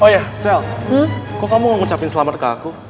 oh iya sel kok kamu ngucapin selamat ke aku